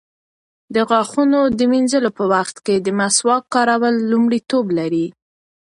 د غاښونو د مینځلو په وخت کې د مسواک کارول لومړیتوب لري.